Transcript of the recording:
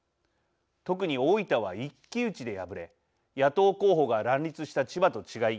特に大分は一騎打ちで敗れ野党候補が乱立した千葉と違い